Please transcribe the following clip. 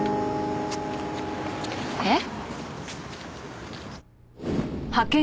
えっ？